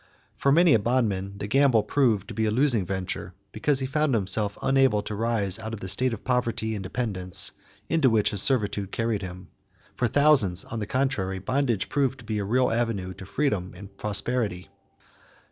For many a bondman the gamble proved to be a losing venture because he found himself unable to rise out of the state of poverty and dependence into which his servitude carried him. For thousands, on the contrary, bondage proved to be a real avenue to freedom and prosperity.